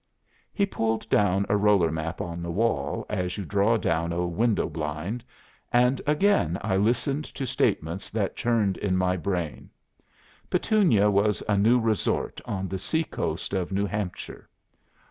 '" "He pulled down a roller map on the wall as you draw down a window blind, and again I listened to statements that churned in my brain. Petunia was a new resort on the sea coast of New Hampshire.